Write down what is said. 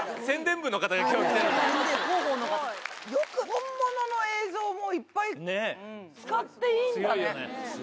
本物の映像もいっぱい使っていいんだね。